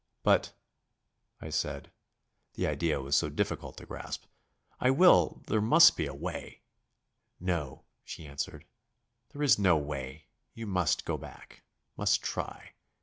"But " I said. The idea was so difficult to grasp. "I will there must be a way " "No," she answered, "there is no way you must go back; must try.